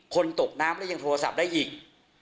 ตกน้ำแล้วยังโทรศัพท์ได้อีก